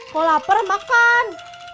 kau lapar makan